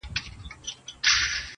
تل به گرځېدی په مار پسي پر پولو!.